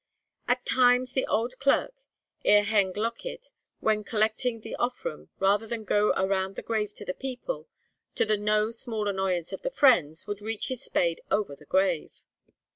At times the old clerk, "yr hen glochydd," when collecting the offrwm, rather than go around the grave to the people, to the no small annoyance of the friends, would reach his spade over the grave.